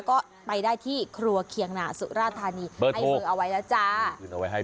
ก็ไปได้ที่ครัวเคียงหนาสุราธานีให้เสิร์ฟเอาไว้แล้วจ๊ะ